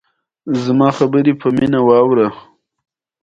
چې هند ته دې د هغه لېږل وځنډول شي.